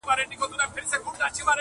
په عذاب رانه د كلي سودخوران دي.!